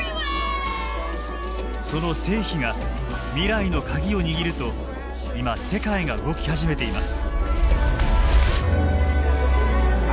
その成否が未来の鍵を握ると今世界が動き始めています。